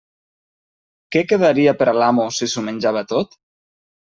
Què quedaria per a l'amo si s'ho menjava tot?